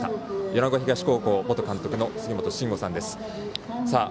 米子東高校元監督の杉本真吾さんです。